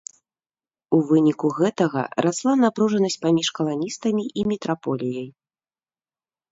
У выніку гэтага расла напружанасць паміж каланістамі і метраполіяй.